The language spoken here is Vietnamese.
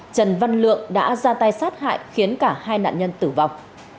trần văn lượng đã ra tay sát hại khiến cả hai nạn nhân tử vong